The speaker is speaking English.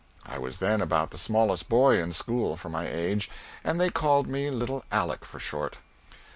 I was then about the smallest boy in school, for my age, and they called me little Aleck for short.